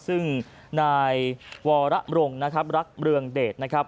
ซึ่งนายวรรงค์นะครับรักเรืองเดชนะครับ